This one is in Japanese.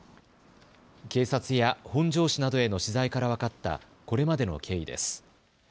警察や本庄市などへの取材から分かった、これまでの経緯です。